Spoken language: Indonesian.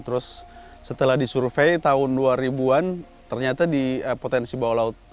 terus setelah disurvey tahun dua ribu an ternyata di potensi bawah laut